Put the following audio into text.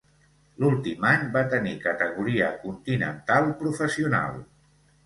L'últim any va tenir categoria continental professional.